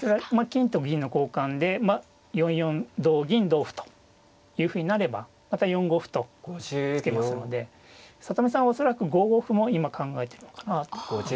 金と銀の交換で４四同銀同歩というふうになればまた４五歩と突けますので里見さんは恐らく５五歩も今考えてるのかなと。